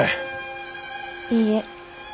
いいえ。